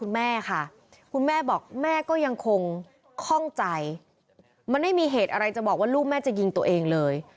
ไม่มีเหตุอะไรจะบอกว่าลูกแม่จะยิงตัวเองเลย